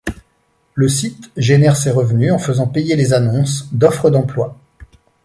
Le site génère ses revenus en faisant payer les annonces d'offres d'emploi.